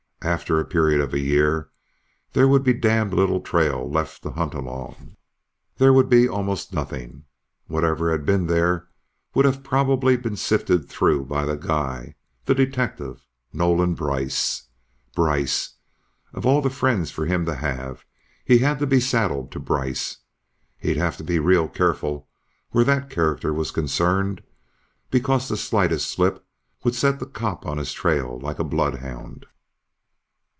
After a period of a year, there would be damned little trail left to hunt along. There would be almost nothing. Whatever had been there, would have probably been sifted through by the guy, the detective, Nolan Brice. Brice! Of all the friends for him to have, he had to be saddled to Brice! He'd have to be real careful where that character was concerned because the slightest slip would set the cop on his trail like a blood hound.